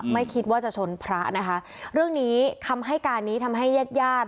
ไม่คิดว่าจะชนพระนะคะเรื่องนี้คำให้การนี้ทำให้ญาติญาติ